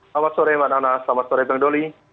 selamat sore mbak nana selamat sore bang doli